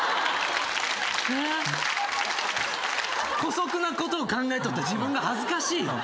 姑息なことを考えとった自分が恥ずかしい。